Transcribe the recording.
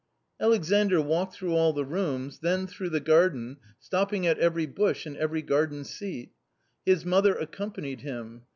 XAlexandr walked through all the rooms, then through the garden, stopping at every bush and every garden seat His mother accompanied him.